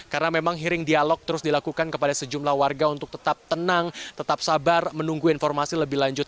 karena memang hearing dialog terus dilakukan kepada sejumlah warga untuk tetap tenang tetap sabar menunggu informasi lebih lanjut